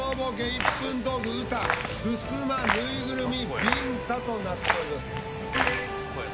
１分トーク歌ふすま縫いぐるみびんたとなっております。